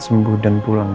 sembuh dan pulang ya